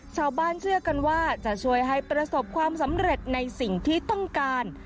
ชาวบ้านเชื่อกันว่าจะช่วยให้ประสบความสำเร็จในสิ่งที่ต้องการ